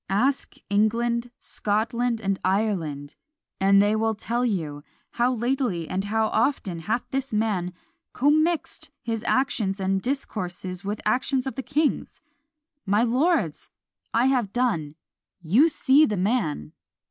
Ask England, Scotland, and Ireland and they will tell you! How lately and how often hath this man commixed his actions in discourses with actions of the king's! My lords! I have done you see the man!